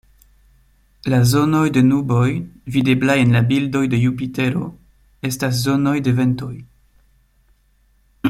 La zonoj de nuboj videblaj en la bildoj de Jupitero estas zonoj de ventoj.